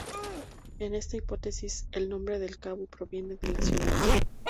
En esta hipótesis, el nombre del cabo proviene de la ciudad.